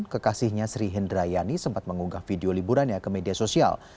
kekasihnya sri hindrayani sempat mengunggah video liburannya ke media sosial